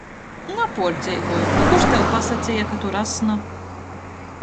Napuordzeivoj! Nu kurs tev pasaceja, ka tu rasna?